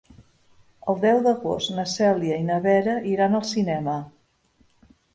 El deu d'agost na Cèlia i na Vera iran al cinema.